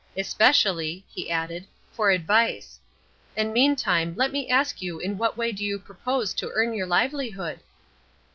Especially," he added, "for advice. And meantime let me ask you in what way do you propose to earn your livelihood?"